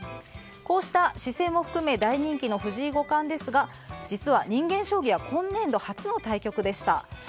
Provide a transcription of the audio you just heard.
こうした姿勢も含め大人気の藤井五冠ですが実は人間将棋は今年度初の対局でした。